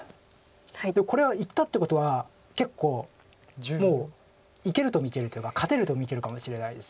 これはいったっていうことは結構もういけると見てるというか勝てると見てるかもしれないです